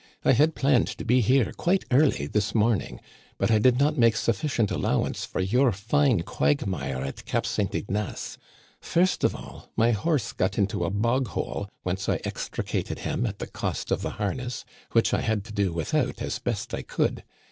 " I had planned to be here quite early this morning, but I did not make sufficient allowance for your fine quagmire at Cap St. Ignace. First of all, my horse got into a bog hole, whence I extricated him at the cost of the harness, which I had to do without as best I could.